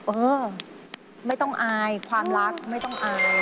เออไม่ต้องอายความรักไม่ต้องอาย